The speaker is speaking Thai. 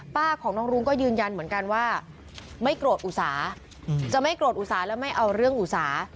ป้าของน้องรุ้งก็ยืนยันเหมือนกันว่าไม่โกรธอุสาจะไม่โกรธอุตสาห์และไม่เอาเรื่องอุสา